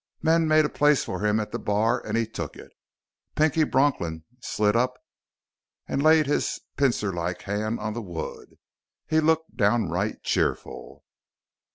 Men made a place for him at the bar, and he took it. Pinky Bronklin slid up and laid his pincerlike hand on the wood. He looked downright cheerful.